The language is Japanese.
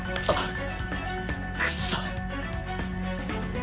あっ！